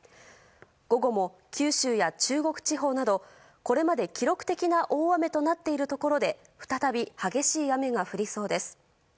午後も九州や中国地方などこれまで記録的な大雨となっているところで再び激しい雨が降りそうです。